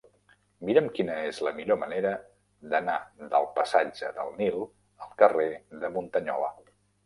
Mira'm quina és la millor manera d'anar del passatge del Nil al carrer de Muntanyola.